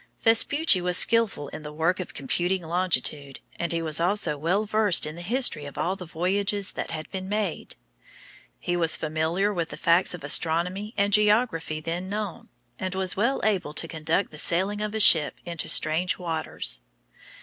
Vespucci was skillful in the work of computing longitude, and he was also well versed in the history of all the voyages that had been made. He was familiar with the facts of astronomy and geography then known, and was well able to conduct the sailing of a ship into strange waters.